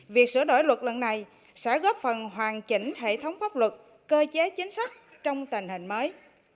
việc sửa đổi luật lần này sẽ góp phần hoàn chỉnh hệ thống pháp luật cơ chế chính sách trong tình hình mới